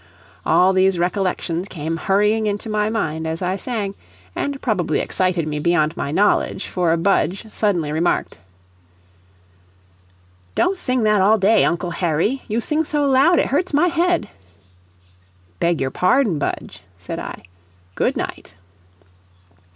All these recollections came hurrying into my mind as I sang, and probably excited me beyond my knowledge, for Budge suddenly remarked: "Don't sing that all day, Uncle Harry; you sing so loud, it hurts my head." "Beg your pardon, Budge," said I. "Good night."